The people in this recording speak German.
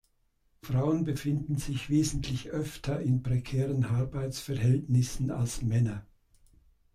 Frauen befinden sich wesentlich öfter in prekären Arbeitsverhältnissen als Männer.